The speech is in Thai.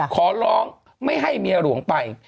ขอร้องไม่ให้เมียหลวงไป